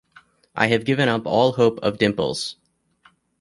I have given up all hope of dimples.